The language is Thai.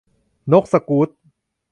นกสกู๊ต